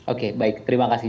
oke baik terima kasih